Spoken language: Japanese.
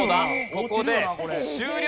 ここで終了。